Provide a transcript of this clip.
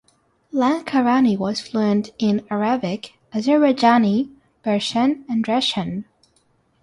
Lankarani was fluent in Arabic, Azerbaijani, Persian, and Russian.